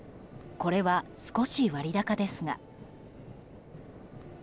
これは少し割高ですが。